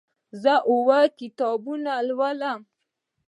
زه اووه کتابونه لولم.